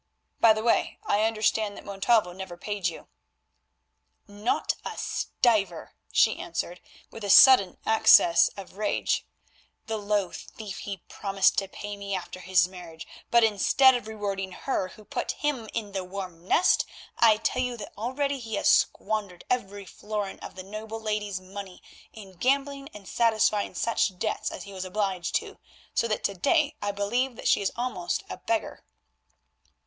By the way, I understand that Montalvo never paid you." "Not a stiver," she answered with a sudden access of rage; "the low thief, he promised to pay me after his marriage, but instead of rewarding her who put him in that warm nest, I tell you that already he has squandered every florin of the noble lady's money in gambling and satisfying such debts as he was obliged to, so that to day I believe that she is almost a beggar."